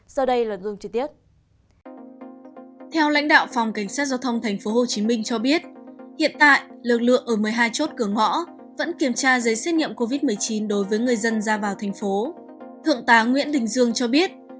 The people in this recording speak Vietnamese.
sau đây là dương chi tiết